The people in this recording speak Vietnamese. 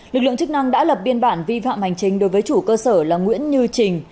lực lượng chức năng đã lập biên bản vi phạm hành trình đối với chủ cơ sở là nguyễn như trình